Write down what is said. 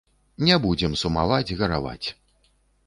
Не будзем сумаваць, гараваць.